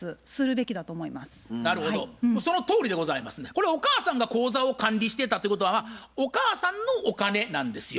これお母さんが口座を管理してたってことはお母さんのお金なんですよ。